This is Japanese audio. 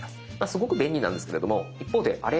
すごく便利なんですけれども一方であれ？